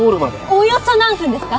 およそ何分ですか？